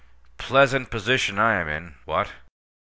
Pleasant position I am in! What?